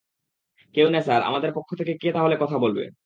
কেউ না স্যার আমাদের পক্ষ থেকে কে তাহলে কথা বলবে?